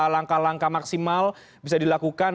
langkah langkah maksimal bisa dilakukan